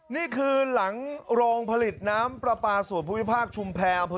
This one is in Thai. นี่คือหลังโรงผลิตน้ำประปาส่วนภูมิภาคชุมแพร